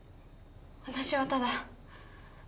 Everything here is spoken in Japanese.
私はただ